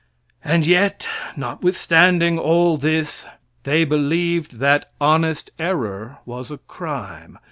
And yet, notwithstanding all this, they believed that honest error was a crime.